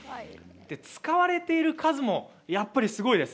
使われている数もやっぱりすごいです。